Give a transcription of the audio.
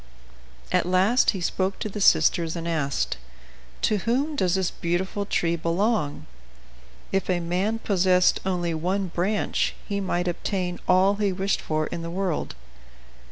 At last he spoke to the sisters, and asked: "To whom does this beautiful tree belong? If a man possessed only one branch he might obtain all he wished for in the world."